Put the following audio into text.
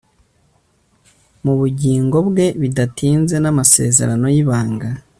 mu bugingo bwe bidatinze n'amasezerano y'ibanga